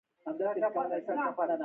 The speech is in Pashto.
ایا زما مور به ښه شي؟